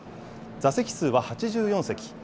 座席数は８４席。